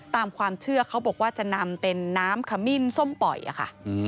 ตามความเชื่อเขาบอกว่าจะนำเป็นน้ำขมิ้นส้มปล่อยค่ะ